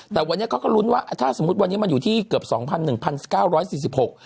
แต่วันนี้เขาก็ลุ้นว่าถ้าสมมุติวันนี้มันอยู่ที่เกือบสองพันหนึ่งพันเก้าร้อยสี่สิบหก